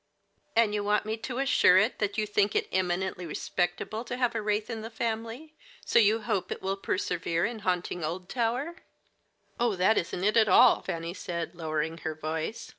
"And you want me to assure it that you think it eminently respectable to have a wraith in the family, so you hope it will persevere in haunting Oldtower?" "Oh, it is n't that at all," Fanny said, lowering her voice.